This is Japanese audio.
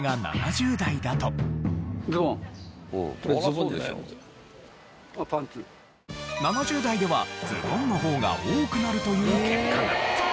これが７０代ではズボンの方が多くなるという結果が。